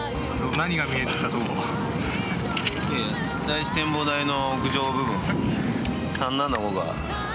第１展望台の屋上部分３７５が。